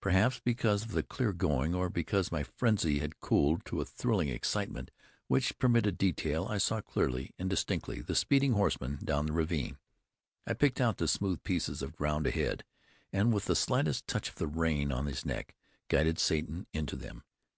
Perhaps because of the clear going, or because my frenzy had cooled to a thrilling excitement which permitted detail, I saw clearly and distinctly the speeding horsemen down the ravine. I picked out the smooth pieces of ground ahead, and with the slightest touch of the rein on his neck, guided Satan into them.